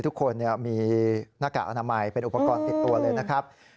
ทุกคนมีหน้ากากอนามัยเป็นอุปกรณ์ติดตัวเลยนะครับ